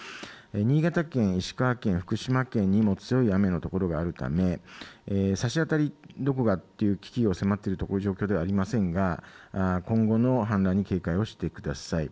新潟県、石川県、福島県にも強い雨の所があるため差し当たりどこがという危機が迫っているという状況ではありませんが今後の氾濫に警戒をしてください。